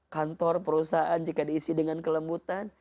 kantor perusahaan jika diisi dengan kelembutan